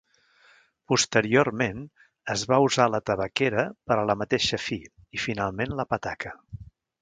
Posteriorment, es va usar la tabaquera per ala mateixa fi i finalment, la petaca.